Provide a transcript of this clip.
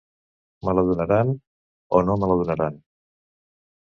Me la donaran o no me la donaran.